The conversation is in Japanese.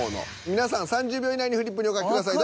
皆さん３０秒以内にフリップにお書きください